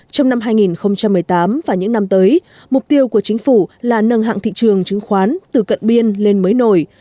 trong năm hai nghìn một mươi tám và những năm tới mục tiêu của chính phủ là nâng hạng thị trường chứng khoán từ cận biên lên mới nổi